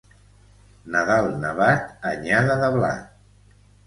Nadal nevat, anyada de blat.